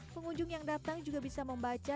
pengunjung yang datang juga bisa membaca